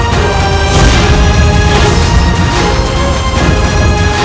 kau sengaja lagi mu harus anlatih